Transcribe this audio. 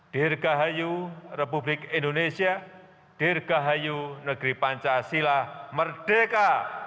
dirgahayu republik indonesia dirgahayu negeri pancasila merdeka